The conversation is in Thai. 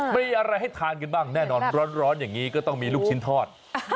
มีอะไรให้ทานกันบ้างแน่นอนร้อนอย่างนี้ก็ต้องมีลูกชิ้นทอด